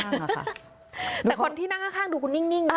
กูครับแต่คนที่นั่งด้วยดูกูนิ่งนะ